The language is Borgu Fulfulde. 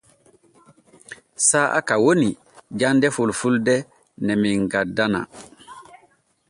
Saa'a ka woni jande fulfulde ne men gaddanaa.